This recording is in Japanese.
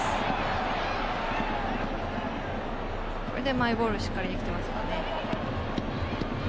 マイボールしっかりできていますからね。